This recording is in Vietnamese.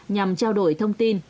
nhằm trao đổi thông tin